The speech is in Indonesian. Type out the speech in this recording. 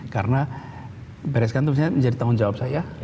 karena bereskan itu menjadi tanggung jawab saya